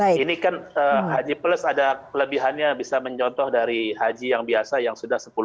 nah ini kan haji plus ada kelebihannya bisa mencontoh dari haji yang biasa yang sudah sepuluh tahun